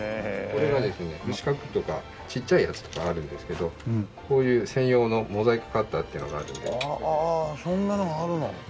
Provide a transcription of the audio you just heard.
これがですね四角とかちっちゃいやつとかあるんですけどこういう専用のモザイクカッターっていうのがあるので。